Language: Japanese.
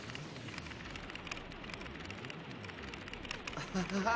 アハハハハ！